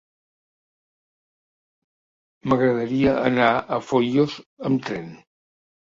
M'agradaria anar a Foios amb tren.